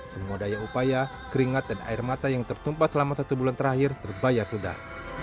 semua daya upaya keringat dan air mata yang tertumpah selama satu bulan terakhir terbayar sudahr